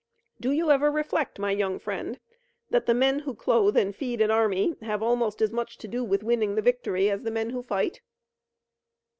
Do you ever reflect, my young friend, that the men who clothe and feed an army have almost as much to do with winning the victory as the men who fight?"